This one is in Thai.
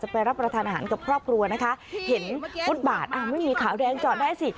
ไปรับประทานอาหารกับครอบครัวนะคะเห็นฟุตบาทอ้าวไม่มีขาวแดงจอดได้สิ